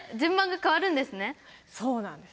そうなんです。